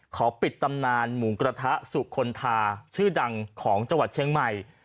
ขอปิดตำนานหมูกระทะสุคลทาชื่อดังของจังหวัดเชียงใหม่